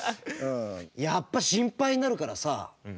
やっぱ心配になるからさ